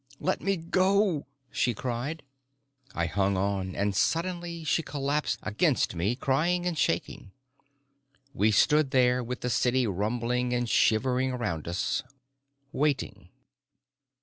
"Let me go!" she cried. I hung on, and suddenly she collapsed against me, crying and shaking. We stood there with the city rumbling and shivering around us, waiting.